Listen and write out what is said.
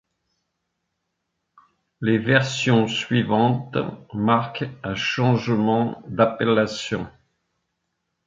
Les versions suivantes marquent un changement d'appellation.